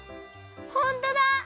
ほんとだ！